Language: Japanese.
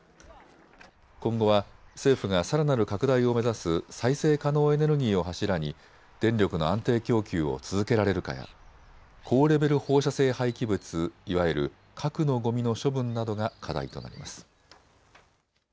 今後は政府がさらなる拡大を目指す再生可能エネルギーを柱に電力の安定供給を続けられるかや高レベル放射性廃棄物いわゆる核のごみの処分などが課題となります。